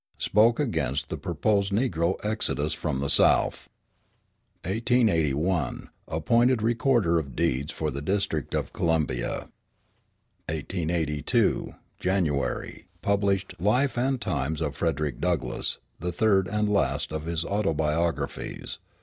Spoke against the proposed negro exodus from the South. 1881 Appointed recorder of deeds for the District of Columbia. 1882 January. Published Life and Times of Frederick Douglass, the third and last of his autobiographies.